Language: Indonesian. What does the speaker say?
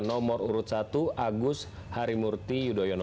nomor urut satu agus harimurti yudhoyono